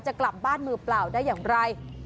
จะกลับบ้านมือเปล่าได้อย่างไร